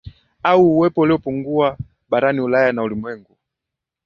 au uwepo uliopungua barani Ulaya na ulimwengu